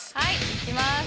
いきます。